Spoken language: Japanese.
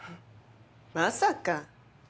まさか。